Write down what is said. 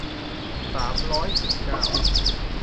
สามร้อยสิบเก้า